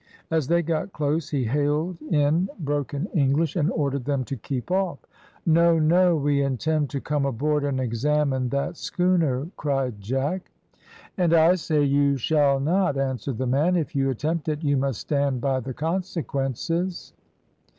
As they got close he hailed in broken English, and ordered them to keep off. "No, no; we intend to come aboard and examine that schooner," cried Jack. "And I say you shall not," answered the man; "if you attempt it you must stand by the consequences."